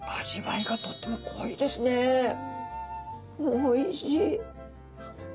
おいしい。